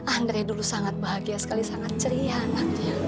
andre dulu sangat bahagia sekali sangat ceria anaknya